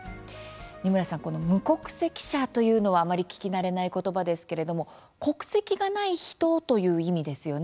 二村さんこの無国籍者というのはあまり聞き慣れない言葉ですけれども国籍がない人という意味ですよね。